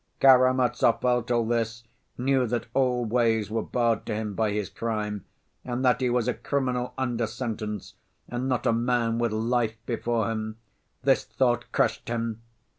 "Karamazov felt all this, knew that all ways were barred to him by his crime and that he was a criminal under sentence, and not a man with life before him! This thought crushed him.